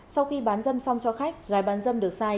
sau khi bán dân xong cho khách gái bán dân được sai